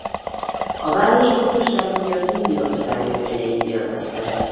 A város fontossága miatt mindig a királyok kegyeit élvezte.